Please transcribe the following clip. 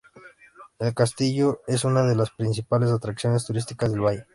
El castillo es una de las principales atracciones turísticas del Valle.